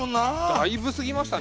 だいぶ過ぎましたね。